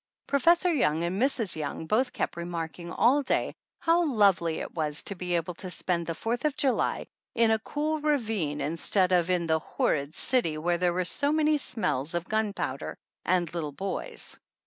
Professor Young and Mrs. Young both kept remarking all day how lovely it was to be able to spend the Fourth of July in a cool ravine instead of in the horrid city where there were so many smells of gun powder and little boys.